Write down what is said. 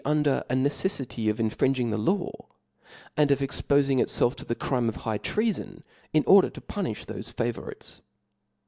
^^^^ under a neceffity of infringing the law, and of exppfing itfelf to the crime of high treafon in order to puni(h thofe favowites.